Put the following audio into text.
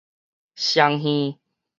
雙耳